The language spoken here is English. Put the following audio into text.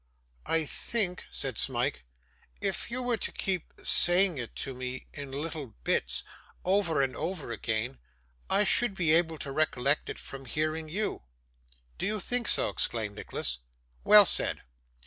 'I think,' said Smike, 'if you were to keep saying it to me in little bits, over and over again, I should be able to recollect it from hearing you.' 'Do you think so?' exclaimed Nicholas. 'Well said.